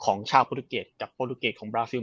ของชาวป้อตูเกรดและป้อตูเกรดของบาลาซิล